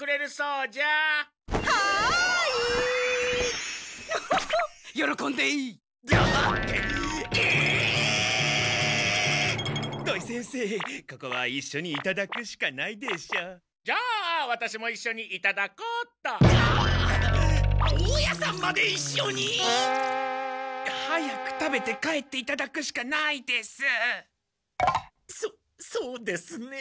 そっそうですね。